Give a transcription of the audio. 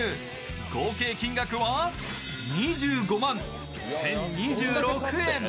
合計金額は２５万１０２６円。